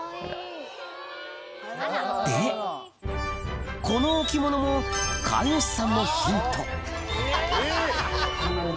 でこの置物も飼い主さんのヒント